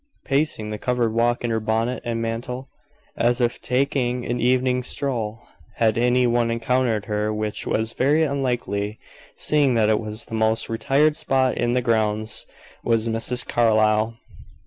Pacing the covered walk in her bonnet and mantle, as if taking an evening stroll had any one encountered her, which was very unlikely, seeing that it was the most retired spot in the grounds was Mrs. Carlyle.